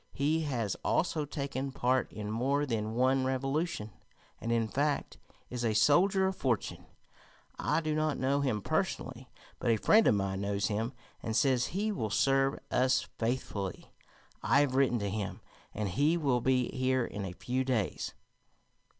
He has also taken part in more than one revolution, and, in fact, is a soldier of fortune. I do not know him personally, but a friend of mine knows him, and says he will serve us faithfully. I have written to him, and he will be here in a few days."